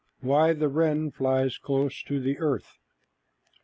WHY THE WREN FLIES CLOSE TO THE EARTH.